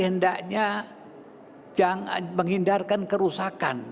hendaknya menghindarkan kerusakan